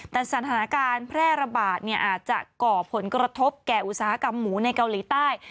แต่สถานการณ์แพร่ระบาดอาจจะก่อผลกระทบแก่อุตสาหกรรมหมูในเกาหลีใต้